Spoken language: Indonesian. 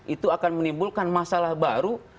itu akan menimbulkan masalah baru